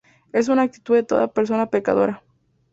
Es una actitud de toda la persona pecadora.